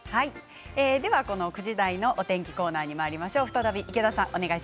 ９時台のお天気コーナーにまいりましょう。